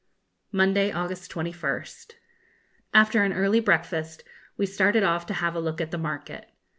Monday, August 21st. After an early breakfast, we started off to have a look at the market.